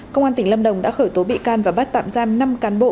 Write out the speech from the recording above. công an tỉnh lâm đồng đã khởi tố bị can và bắt tạm giam năm cán bộ